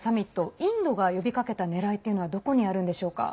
インドが呼びかけたねらいというのはどこにあるんでしょうか。